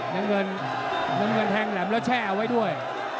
ดังเงินแทงแหลมแล้วแช่เอาไว้ด้วย